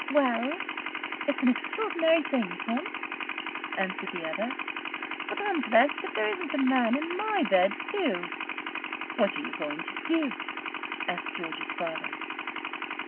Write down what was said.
"Well, it's an extraordinary thing, Tom," answered the other; "but I'm blest if there isn't a man in my bed, too!" "What are you going to do?" asked George's father.